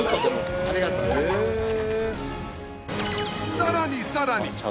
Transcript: さらにさらに！